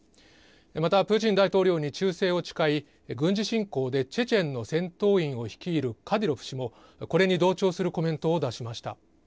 またプーチン大統領に忠誠を誓い、軍事侵攻でチェチェンの戦闘員を率いるカディロフ氏も、これに同調するコメントを出しました。